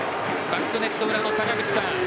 バックネット裏の坂口さん